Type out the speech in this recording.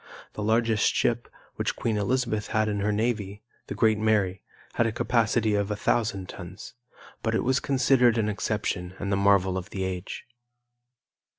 The largest ship which Queen Elizabeth had in her navy, the Great Mary, had a capacity of a thousand tons; but it was considered an exception and the marvel of the age.